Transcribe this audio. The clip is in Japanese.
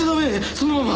そのまま。